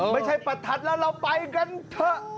ประทัดแล้วเราไปกันเถอะ